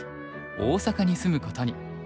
大阪に住むことに。